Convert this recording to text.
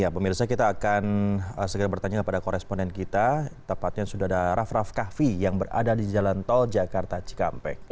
pemirsa kita akan bertanya kepada koresponen kita raff raff kahvi yang berada di jalan tol jakarta cikampek